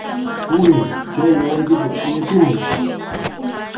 ¡Puriy, chay wawaykita chʼinyachimuy!